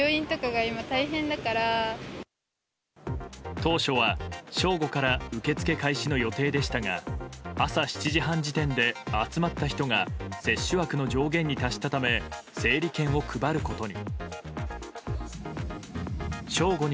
当初は正午から受け付け開始の予定でしたが朝７時半時点で集まった人が接種枠の上限に達したため整理券を配ることに。